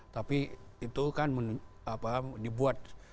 tapi itu kan dibuat